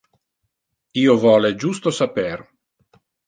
Io vole justo saper.